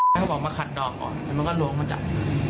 เขาบอกมาขัดดอกก่อนแล้วมันก็ล้วงมาจาก